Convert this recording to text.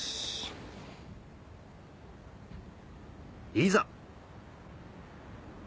いざ！